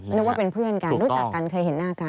นึกว่าเป็นเพื่อนกันรู้จักกันเคยเห็นหน้ากัน